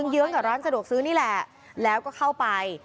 เยื้องกับร้านสะดวกซื้อนี่แหละแล้วก็เข้าไป